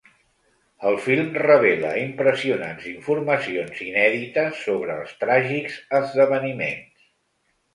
El film revela impressionants informacions inèdites sobre els tràgics esdeveniments.